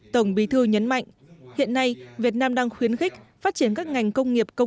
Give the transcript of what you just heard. tổng bí thư nhấn mạnh hiện nay việt nam đang khuyến khích phát triển các ngành công nghiệp công